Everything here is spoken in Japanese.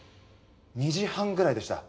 ２時半くらいでした。